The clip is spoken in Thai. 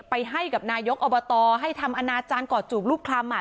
ให้กับนายกอบตให้ทำอนาจารย์กอดจูบลูกคลำ